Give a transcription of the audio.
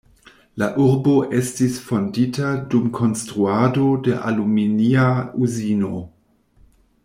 La urbo estis fondita dum konstruado de aluminia uzino.